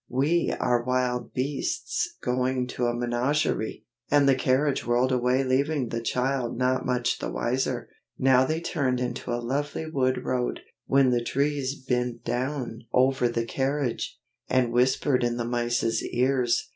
"We are wild beasts going to a menagerie!" And the carriage whirled away leaving the child not much the wiser. Now they turned into a lovely wood road, when the trees bent down over the carriage, and whispered in the mice's ears.